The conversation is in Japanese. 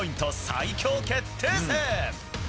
最強決定戦。